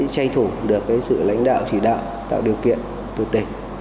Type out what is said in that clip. tranh thủ được sự lãnh đạo chỉ đạo tạo điều kiện tự tình